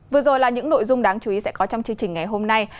vừa rồi là những nội dung đáng chú ý sẽ có trong chương trình ngày hôm nay